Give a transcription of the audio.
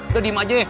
udah diam aja ya